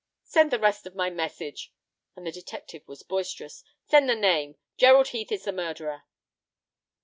"Send the rest of my message," and the detective was boisterous. "Send the name. Gerald Heath is the murderer."